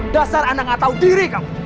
dasar anda gak tahu diri kamu